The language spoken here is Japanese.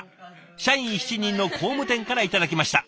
社員７人の工務店から頂きました。